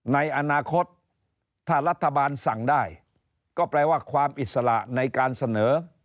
ในอนาคตถ้ารัฐบาลสั่งได้ก็แปลว่าความอิสระในการเสนอ